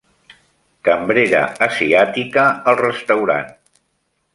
Cambrera asiàtica al restaurant.